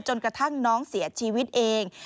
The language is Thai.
จนกระทั่งน้องเสียชีวิตเอง